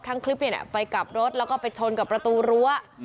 คลิปไปกลับรถแล้วก็ไปชนกับประตูรั้ว